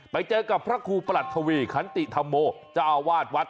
ไปเจอกับพระครูประหลัดทวีขันติธรรมโมเจ้าวาดวัด